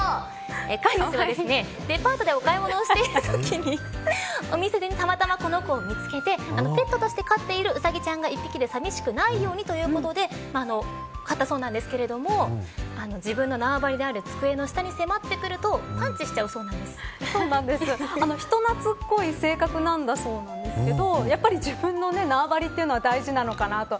飼い主は、デパートでお買い物をしているときにお店で、たまたまこの子を見つけてペットとして飼っているウサギちゃんがさみしくないようにということで買ったそうなんですが自分の縄張りである机の下に迫ってくると人懐っこい性格なんだそうなんですがやっぱり自分の縄張りというのは大事なのかなと。